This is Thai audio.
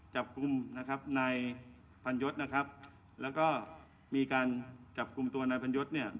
จับคุมนายพันยศแล้วก็มีการจับคุมตัวนายพันยศ